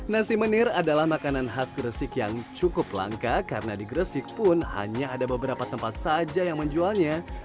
nasi menir adalah makanan khas gresik yang cukup langka karena di gresik pun hanya ada beberapa tempat saja yang menjualnya